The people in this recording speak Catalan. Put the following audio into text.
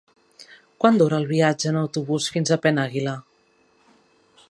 Quant dura el viatge en autobús fins a Penàguila?